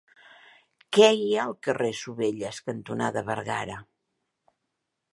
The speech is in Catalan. Què hi ha al carrer Sovelles cantonada Bergara?